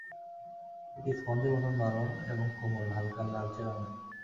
এটি স্পঞ্জের মতো নরম এবং কোমল, হালকা লালচে রঙের।